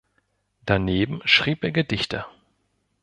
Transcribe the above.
Daneben schrieb er auch Gedichte.